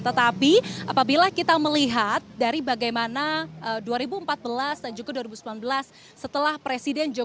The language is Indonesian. tetapi apabila kita melihat dari bagaimana dua ribu empat belas dan juga dua ribu sembilan belas setelah presiden jokowi